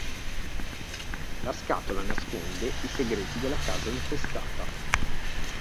La scatola nasconde i segreti della casa infestata.